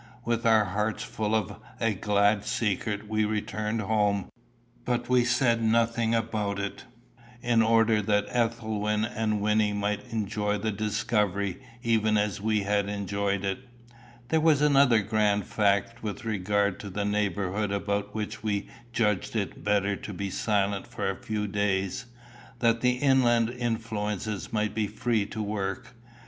With our hearts full of a glad secret we returned home, but we said nothing about it, in order that Ethelwyn and Wynnie might enjoy the discovery even as we had enjoyed it. There was another grand fact with regard to the neighbourhood about which we judged it better to be silent for a few days, that the inland influences might be free to work.